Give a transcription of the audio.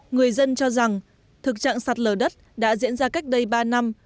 người dân cho rằng thực trạng sạt lở đất đã diễn ra cách đây ba năm